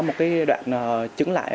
một đoạn chứng lại